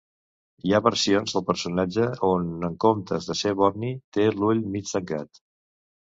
Hi ha versions del personatge on en comptes de ser borni té l'ull mig tancat.